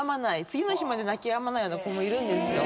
次の日まで泣きやまないような子もいるんですよ。